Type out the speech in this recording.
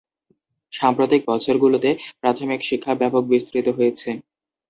সাম্প্রতিক বছরগুলোতে প্রাথমিক শিক্ষা ব্যাপক বিস্তৃত হয়েছে।